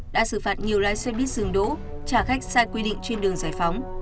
đã xử phạt nhiều lái xe buýt dừng đỗ trả khách sai quy định trên đường giải phóng